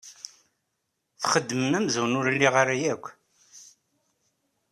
Txeddmeḍ amzun ur lliɣ ara akk.